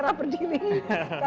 dan mereka bisa hidup dengan sehat